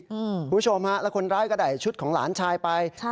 คุณผู้ชมฮะแล้วคนร้ายก็ได้ชุดของหลานชายไป